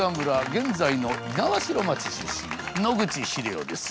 現在の猪苗代町出身野口英世です。